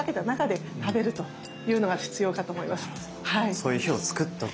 そういう日を作っとく？